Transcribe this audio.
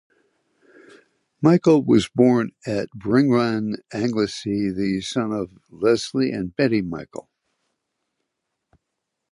Michael was born at Bryngwran, Anglesey, the son of Leslie and Betty Michael.